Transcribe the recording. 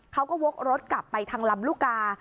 เขาก็วกรถกลับไปทางลำลูกกา